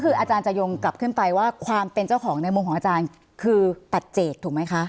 คืออาจารย์จะยงกลับขึ้นไปว่าความเป็นเจ้าของในมุมของอาจารย์คือปัจเจกถูกไหมคะ